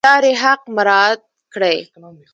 د لارې حق مراعات کړئ